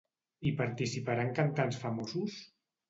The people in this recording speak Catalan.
Hi participaran cantants famosos?